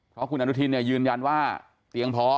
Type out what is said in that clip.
เพราะคุณอนุทินยืนยันว่าเตียงพอ